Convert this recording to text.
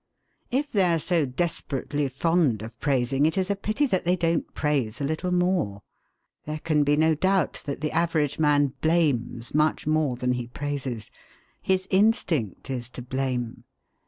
If they are so desperately fond of praising, it is a pity that they don't praise a little more! There can be no doubt that the average man blames much more than he praises. His instinct is to blame.